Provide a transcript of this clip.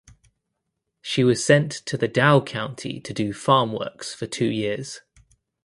She was sent to the Dao County to do farm works for two years.